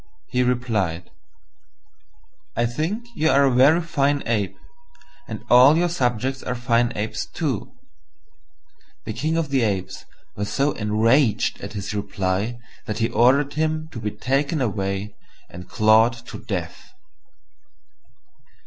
he replied, "I think you are a very fine Ape, and all your subjects are fine Apes too." The King of the Apes was so enraged at his reply that he ordered him to be taken away and clawed to death.